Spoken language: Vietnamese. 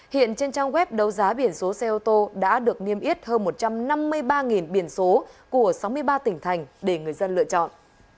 hiện trên trang web đấu giá biển số xe ô tô đã được niêm yết hơn một trăm năm mươi ba biển số của sáu mươi ba tỉnh thành để người dân lựa chọn